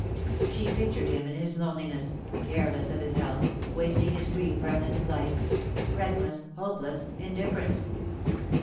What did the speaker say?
She pictured him in his loneliness, careless of his health, wasting his brief remnant of life — reckless, hopeless, indifferent.